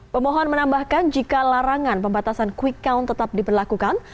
pemohon menambahkan jika larangan pembatasan quick count tetap diberlakukan